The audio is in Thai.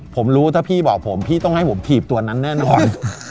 ผมรู้ถ้าพี่บอกผมพี่ต้องให้ผมถีบตัวนั้นแน่นอน